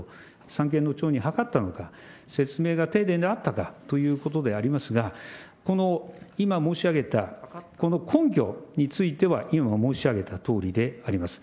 三権の長に諮ったのか、説明が丁寧であったかということでありますが、この今申し上げたこの根拠については、今申しあげたとおりであります。